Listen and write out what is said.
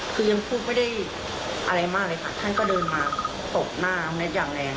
คือยังพูดไม่ได้อะไรมากเลยค่ะท่านก็เดินมาตบหน้าน้องแท็กอย่างแรง